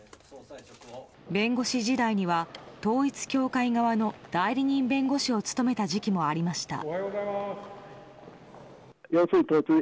弁護士時代には統一教会側の代理人弁護士を務めた時期もありました。